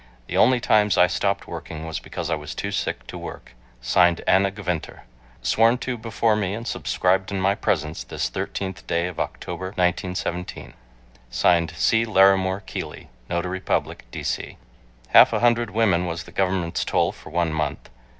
The only times I stopped working was because I was too sick to work. (Signed) ANNA GVINTER. Sworn to before me and subscribed in my presence this 13th day of October, 1917. (Signed) C. LARIMORE KEELEY, Notary Public, D. C. Half a hundred women was the government's toll for one month